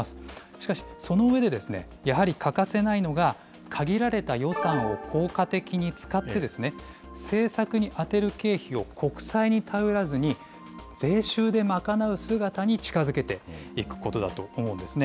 しかし、その上でですね、やはり欠かせないのが、限られた予算を効果的に使って、政策に充てる経費を国債に頼らずに、税収で賄う姿に近づけていくことだと思うんですね。